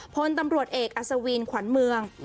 พลตำรวจเอกอัศวินขวัญเมือง